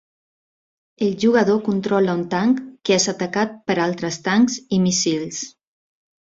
El jugador controla un tanc que és atacat per altres tancs i míssils.